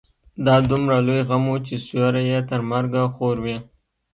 دا دومره لوی غم و چې سيوری يې تر مرګه خور وي.